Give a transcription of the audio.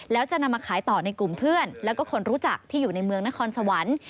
แล้วจะนำมาขายต่อในกลุ่มเพื่อนแล้วก็คนรู้จักที่อยู่ในเมืองนครสวรรค์